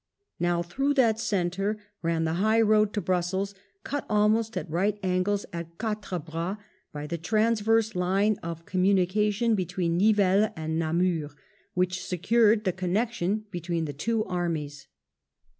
Now through that centre ran the high road to Brussels, cut almost at right angles at Quatre Bras by the transverse line of communication between Nivelles and Namur which secured the connection between the two armies.